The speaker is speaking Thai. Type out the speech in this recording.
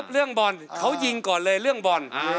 เรื่องบอลเขายิงก่อนเลยเรื่องบอล